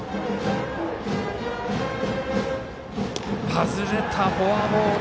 外れた、フォアボール。